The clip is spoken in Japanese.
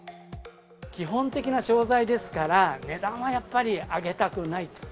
基本的な商材ですから、値段はやっぱり上げたくない。